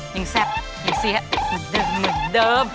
อย่างแซ่บอย่างเสียเหมือนเดิมเหมือนเดิม